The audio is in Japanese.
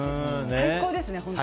最高ですね、本当。